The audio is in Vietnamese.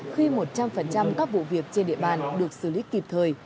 khi một trăm linh các vụ việc trên địa bàn được xử lý kịp thời